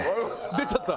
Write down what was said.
出ちゃった。